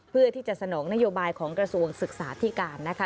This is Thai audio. เพื่อที่จะสนองนโยบายของกระทรวงศึกษาที่การนะคะ